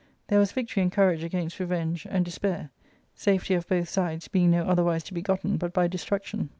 There was victory and courage against revenge and despair ; safety of both sides being no otherwise to be gotten but by destruction.